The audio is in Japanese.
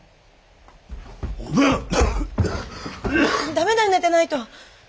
駄目だよ寝てないと！